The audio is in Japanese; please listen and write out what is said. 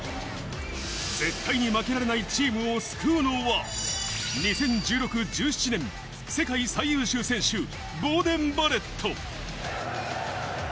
絶対に負けられないチームを救うのは、２０１６・１７年、世界最優秀選手、ボーデン・バレット。